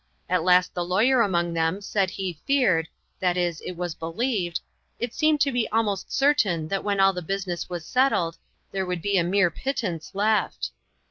At last the lawyer among them said he feared that is, it was believed it seemed to be almost certain that when all the business was settled, there would be a mere pittance left.